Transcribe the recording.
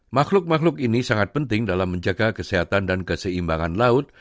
makhluk makhluk ini sangat penting dalam menjaga kesehatan dan keseimbangan laut